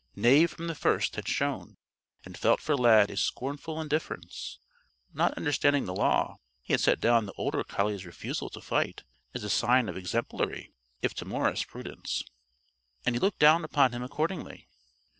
Knave from the first had shown and felt for Lad a scornful indifference. Not understanding the Law, he had set down the older collie's refusal to fight as a sign of exemplary, if timorous prudence, and he looked down upon him accordingly.